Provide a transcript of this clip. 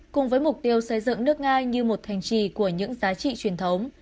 cùng với mục tiêu xây dựng nước nga như một thành trì của những giá trị truyền thống